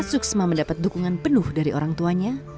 suksma mendapat dukungan penuh dari orang tuanya